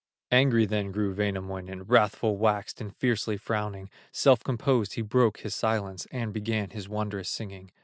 Angry then grew Wainamoinen, Wrathful waxed, and fiercely frowning, Self composed he broke his silence, And began his wondrous singing.